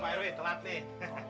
apa pak herwi telat nih